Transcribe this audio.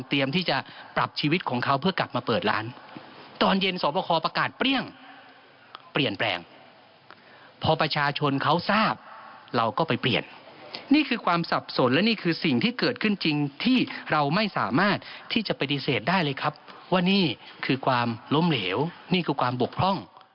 ที่จะไปดิเศษได้เลยครับว่านี่คือกวามล้มเหลวนี่คือกวามบวกพร่อง